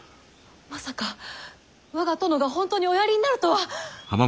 まさか我が殿が本当におやりになるとは！